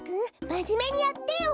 まじめにやってよ！